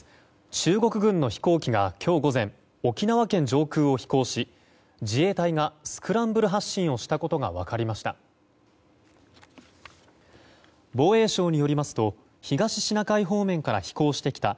中国軍の飛行機が今日午前沖縄県上空を飛行し自衛隊がスクランブル発進をしたことが分かりました。